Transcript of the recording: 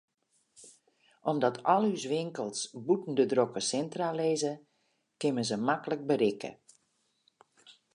Omdat al ús winkels bûten de drokke sintra lizze, kin men se maklik berikke.